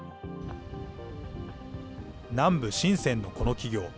南部深センのこの企業。